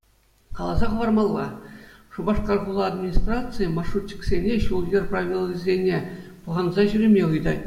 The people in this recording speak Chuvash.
Каласа хӑвармалла: Шупашкар хула администрацийӗ маршрутчиксене ҫул-йӗр правилисене пӑхӑнса ҫӳреме ыйтать.